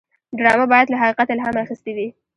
ډرامه باید له حقیقت الهام اخیستې وي